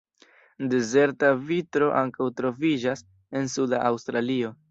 Dezerta vitro ankaŭ troviĝas en suda Aŭstralio.